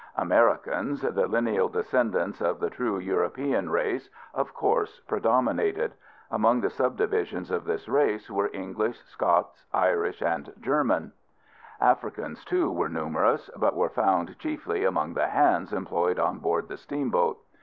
Americans, the lineal descendants of the true European race, of course predominated. Among the subdivisions of this race were English, Scotch, Irish, and German. Africans, too, were numerous; but were found chiefly among the "hands" employed on board the steamboat.